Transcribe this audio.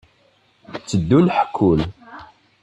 Tteddun ḥekkun.